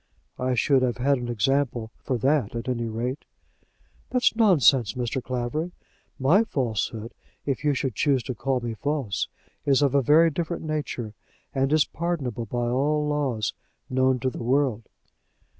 "I should have had an example for that, at any rate." "That's nonsense, Mr. Clavering. My falsehood, if you should choose to call me false, is of a very different nature, and is pardonable by all laws known to the world."